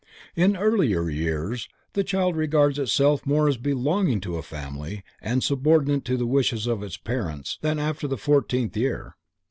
In earlier years the child regards itself more as belonging to a family and subordinate to the wishes of its parents than after the fourteenth year.